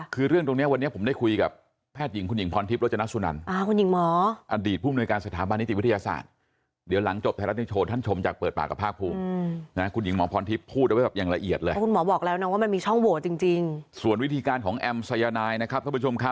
คือเรื่องตรงเนี้ยวันนี้ผมได้คุยกับแทศน์หญิงคุณหญิงพรทิบรจชนัศนั